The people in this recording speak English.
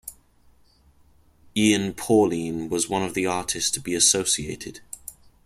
Ian Paulin was one of the artists to be associated.